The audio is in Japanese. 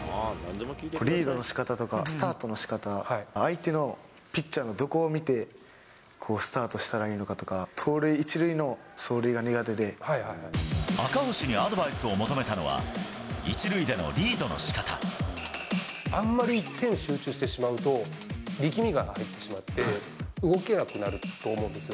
リードのしかたとか、スタートのしかた、相手の、ピッチャーのどこを見て、スタートしたらいいのかとか、赤星にアドバイスを求めたのあんまり一点に集中してしまうと、力みが入ってしまって、動けなくなると思うんですよ。